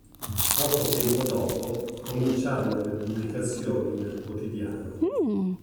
Poco tempo dopo cominciarono le pubblicazioni del quotidiano.